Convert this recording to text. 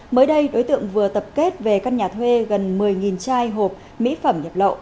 mới đây đối tượng vừa tập kết về căn nhà thuê gần một mươi chai hộp mỹ phẩm nhập lậu